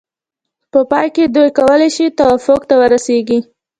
په پای کې دوی کولای شي توافق ته ورسیږي.